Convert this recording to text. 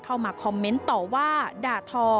เข้ามาคอมเมนต์ต่อว่าด่าทอ